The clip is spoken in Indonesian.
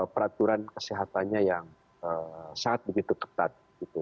peraturan kesehatannya yang sangat begitu ketat